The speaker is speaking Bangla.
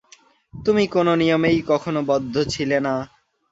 তুমি কোন নিয়মেই কখনও বদ্ধ ছিলে না।